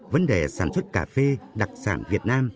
vấn đề sản xuất cà phê đặc sản việt nam